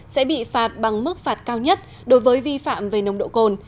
sẽ bị phạt bằng mức phạt cao nhất đối với vi phạm về nồng độ cồn